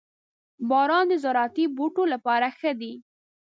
• باران د زراعتي بوټو لپاره ښه دی.